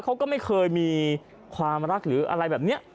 เขาก็ไม่เคยมีความรักหรืออะไรแบบนี้